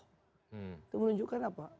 itu menunjukkan apa